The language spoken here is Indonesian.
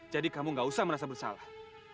jadi kamu tidak perlu merasa bersalah